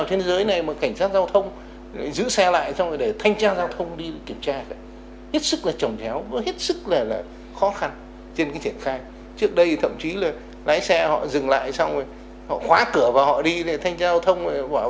thông đánh cái xe này vào trong